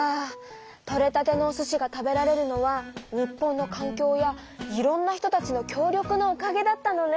とれたてのお寿司が食べられるのは日本のかんきょうやいろんな人たちの協力のおかげだったのね。